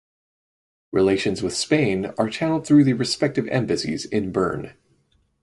Relations with Spain are channeled through the respective Embassies in Bern.